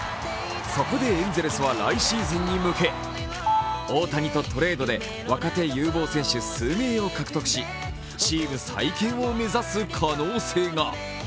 そこでエンゼルスは来シーズンに向け、大谷に代え若手有望選手数名を獲得し、チーム再建を目指す可能性が。